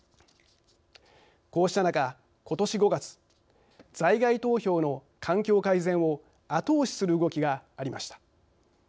こうした中、ことし５月在外投票の環境改善を後押しする動きがありました。